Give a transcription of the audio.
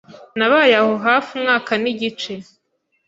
Nabaye aho hafi umwaka nigice